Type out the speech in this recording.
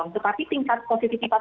tetapi tingkat positifitas